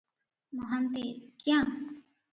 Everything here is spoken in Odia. ମହାନ୍ତିଏ- କ୍ୟାଁ?